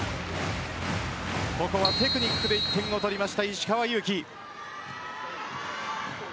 ここはテクニックで１点を取った石川祐希です。